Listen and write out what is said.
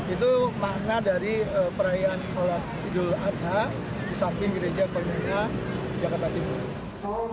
itu makna dari perayaan sholat idul adha di samping gereja komina jakarta timur